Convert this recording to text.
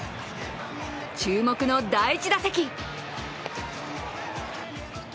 注目の第１打席。